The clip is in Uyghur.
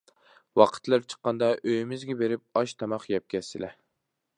ۋاقىتلىرى چىققاندا ئۆيىمىزگە بېرىپ، ئاش-تاماق يەپ كەتسىلە.